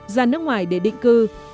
ra nước ngoài để định cư